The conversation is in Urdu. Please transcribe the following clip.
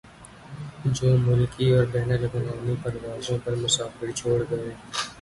جو ملکی اور بین الاقوامی پروازوں پر مسافر چھوڑ گئے